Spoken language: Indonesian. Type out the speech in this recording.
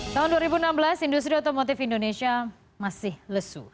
tahun dua ribu enam belas industri otomotif indonesia masih lesu